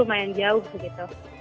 lumayan jauh begitu